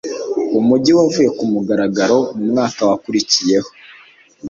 umujyi wavuye kumugaragaro mu mwaka wakurikiyeho